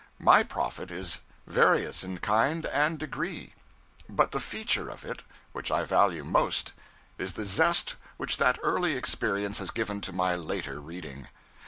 My profit is various in kind and degree; but the feature of it which I value most is the zest which that early experience has given to my later reading.